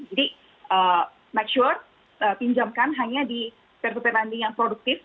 jadi make sure pinjamkan hanya di p dua p lending yang produktif